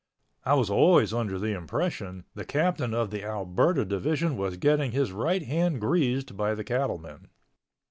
I was always under the impression the Captain of the Alberta Division was getting his right hand greased by the cattlemen.